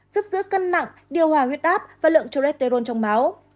giúp giữ cân nặng điều hòa huyết áp và lượng trô rét tê rôn trong máu